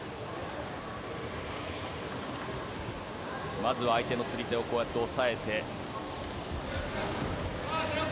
まずは相手の釣り手を押さえて。